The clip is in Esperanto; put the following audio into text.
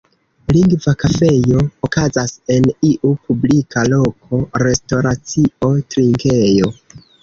Lingva kafejo okazas en iu publika loko, restoracio, trinkejo.